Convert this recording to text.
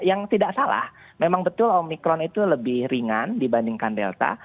yang tidak salah memang betul omikron itu lebih ringan dibandingkan delta